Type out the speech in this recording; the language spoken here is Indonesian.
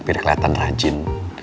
pilih keliatan rajin